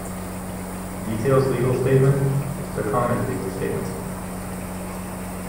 Details legal statement: The common legal statements.